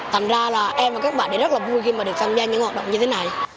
thành ra là em và các bạn thì rất là vui khi mà được tham gia những hoạt động như thế này